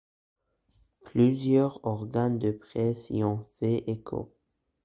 Plusieurs organes de presse y ont fait écho.